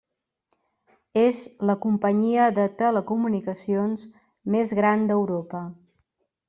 És la companyia de telecomunicacions més gran d'Europa.